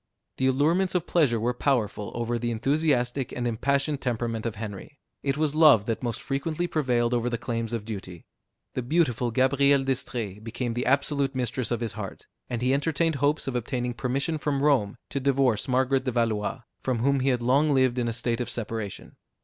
The allurements of pleasure were powerful over the enthusiastic and impassioned temperament of Henry; it was love that most frequently prevailed over the claims of duty. The beautiful Gabrielle d'Estrées became the absolute mistress of his heart; and he entertained hopes of obtaining permission from Rome to divorce Margaret de Valois, from whom he had long lived in a state of separation.